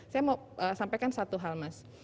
saya mau sampaikan satu hal mas